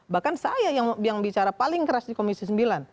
bahkan saya yang bicara paling keras di komisi sembilan